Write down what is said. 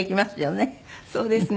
そうですね。